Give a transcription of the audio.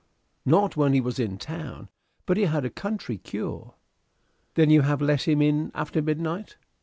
"Not when he was in town; but he had a country cure." "Then you have let him in after midnight."